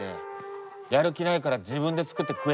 やる気ないから自分で作って食えって。